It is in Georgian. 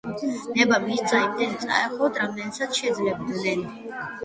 ნება მისცა იმდენი წაეღოთ, რამდენსაც შეძლებდნენ.